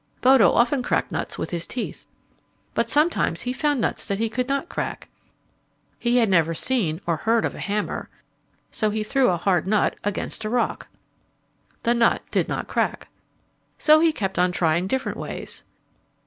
Bodo often cracked nuts with his teeth. But sometimes he found nuts that he could not crack. He had never seen or heard of a hammer, so he threw a hard nut against a rock. The nut did not crack. So he kept on trying different ways.